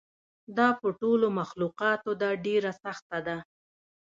دا په ټولو مخلوقاتو ده ډېره سخته ده.